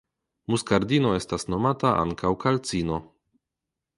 Muskardino estas nomata ankaŭ kalcino.